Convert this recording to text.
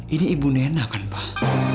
ini ibu nenek kan pak